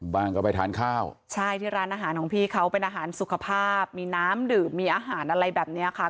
งก็ไปทานข้าวใช่ที่ร้านอาหารของพี่เขาเป็นอาหารสุขภาพมีน้ำดื่มมีอาหารอะไรแบบเนี้ยค่ะ